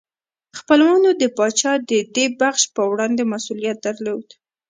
خپلوانو د پاچا د دې بخشش په وړاندې مسؤلیت درلود.